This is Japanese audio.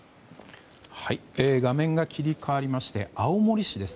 画面が切り替わりまして青森市です。